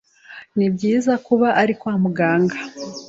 Ni byiza kuba uri kwa muganga.